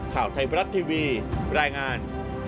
ข่าวไทยบรัฐทีวีรายงาน